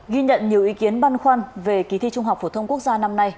ghi nhận nhiều ý kiến băn khoăn về kỳ thi trung học phổ thông quốc gia năm nay